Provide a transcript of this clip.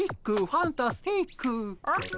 ファンタスティック！